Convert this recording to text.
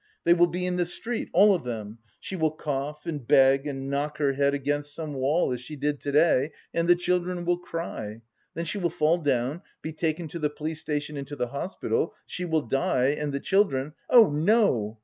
They will be in the street, all of them, she will cough and beg and knock her head against some wall, as she did to day, and the children will cry.... Then she will fall down, be taken to the police station and to the hospital, she will die, and the children..." "Oh, no....